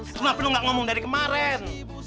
kenapa lu gak ngomong dari kemarin